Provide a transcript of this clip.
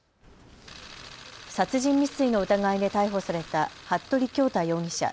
殺人未遂の疑いで逮捕された服部恭太容疑者。